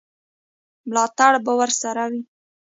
ملاتړ به ورسره وي.